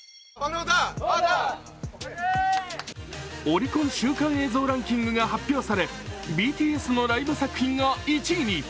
オリコン週間映像ランキングが発表され、ＢＴＳのライブ作品が１位に。